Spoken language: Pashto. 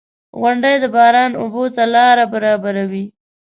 • غونډۍ د باران اوبو ته لاره برابروي.